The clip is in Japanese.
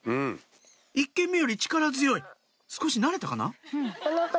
１軒目より力強い少し慣れたかな？